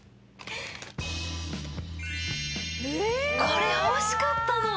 これ欲しかったの！